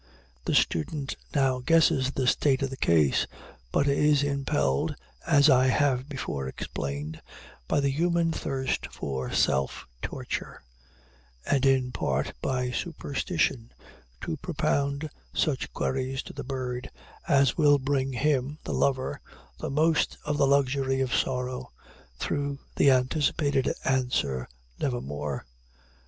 The student now guesses the state of the case, but is impelled, as I have before explained, by the human thirst for self torture, and in part by superstition, to propound such queries to the bird as will bring him, the lover, the most of the luxury of sorrow, through the anticipated answer "Nevermore."